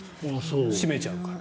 閉めちゃうから。